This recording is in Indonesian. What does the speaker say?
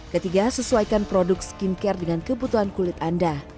ketiga sesuaikan produk skincare dengan kebutuhan kulit anda